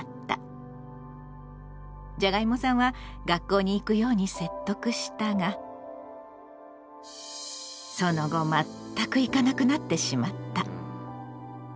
じゃがいもさんは学校に行くように説得したがその後全く行かなくなってしまった。